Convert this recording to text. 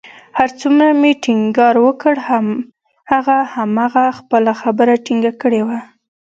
هر څومره چې مې ټينګار وکړ، هغه همهغه خپله خبره ټینګه کړې وه